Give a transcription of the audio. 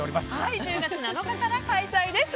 １０月７日から開催です。